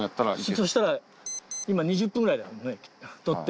そしたら２０分くらいだよね撮って。